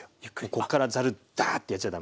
こっからざるダーッてやっちゃ駄目です。